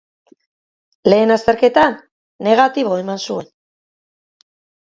Lehen azterketan negatibo eman zuen.